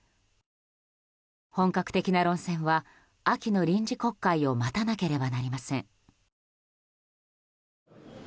本格的な論戦は秋の臨時国会を待たなければなりません。